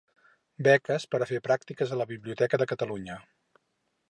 Beques per fer pràctiques a la Biblioteca de Catalunya.